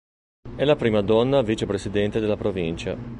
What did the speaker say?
È la prima donna Vicepresidente della Provincia.